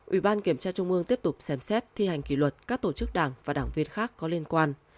ủy ban kiểm tra trung ương tiếp tục xem xét thi hành kỷ luật các tổ chức đảng và đảng viên khác có liên quan